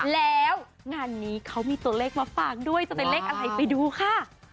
แล้วงานนี้เขามีตัวเลขมาฝากด้วยจะเป็นเลขอะไรไปดูค่ะ